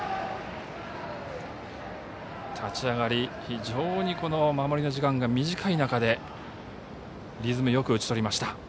立ち上がり、非常に守りの時間が短い中でリズムよく打ち取りました。